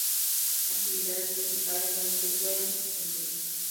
Actividades Principales: agricultura y viticultura.